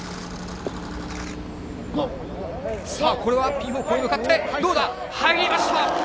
さあ、これはピン方向に向かって、どうだ、入りました。